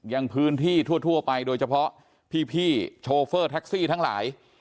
ยังพื้นที่ทั่วไปโดยเฉพาะพี่โชเฟอร์แท็กซี่ทั้งหลาย